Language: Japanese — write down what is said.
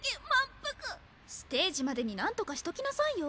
ステージまでに何とかしときなさいよ？